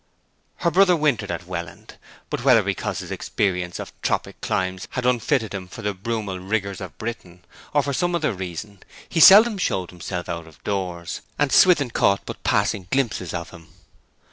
Her brother wintered at Welland; but whether because his experience of tropic climes had unfitted him for the brumal rigours of Britain, or for some other reason, he seldom showed himself out of doors, and Swithin caught but passing glimpses of him.